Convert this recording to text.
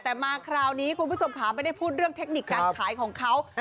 แต่มาคราวนี้คุณผู้ชมค่ะไม่ได้พูดเรื่องเทคนิคการขายของเขา